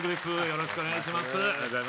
よろしくお願いします